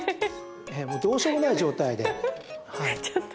もうどうしようもない状態で。